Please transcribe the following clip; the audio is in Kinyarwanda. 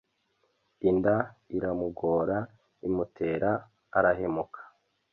inda iramugora imutera arahemuka